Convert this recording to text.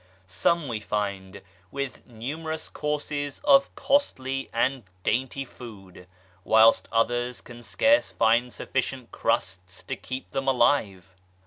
Some we find with numerous courses of costly and dainty food ; whilst others can scarce find sufficient crusts to keep them alive.